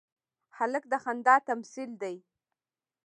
هلک د خندا تمثیل دی.